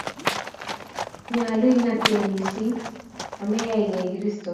nyoluu ing'atgei mising ameyangei kosirto